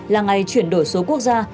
là ngày chuyển đổi số quốc gia